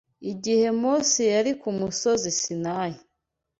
Igihe Mose yari ku Musozi Sinayi